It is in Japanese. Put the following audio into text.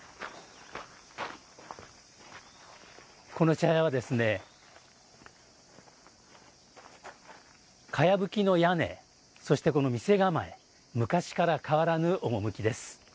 この茶屋はかやぶきの屋根そして、この店構え昔から変わらぬ趣です。